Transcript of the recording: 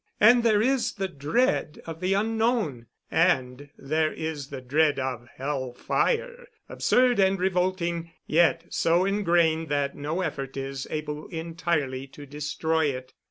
And there is the dread of the unknown. And there is the dread of hell fire absurd and revolting, yet so engrained that no effort is able entirely to destroy it.